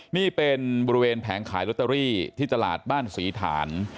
นี่เป็นบริเวณแผงขายลอตเตอรี่ที่ตลาดบ้านศรีฐาน